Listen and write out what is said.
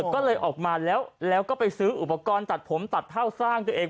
ก็เลยออกมาแล้วแล้วก็ไปซื้ออุปกรณ์ตัดผมตัดเท่าสร้างตัวเอง